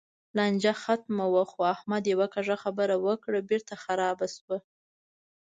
لانجه ختمه وه؛ خو احمد یوه کږه خبره وکړه، بېرته خرابه شوه.